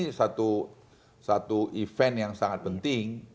karena untuk bali ini satu event yang sangat penting